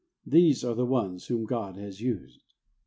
These are the ones whom God has used.